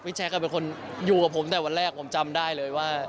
แจ๊คเป็นคนอยู่กับผมแต่วันแรกผมจำได้เลยว่า